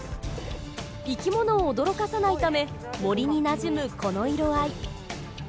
生き物を驚かさないため森になじむこの色合い。